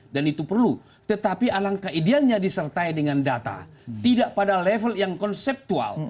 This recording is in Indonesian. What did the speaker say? dan itu perlu tetapi alang kaediannya disertai dengan data tidak pada level yang konseptual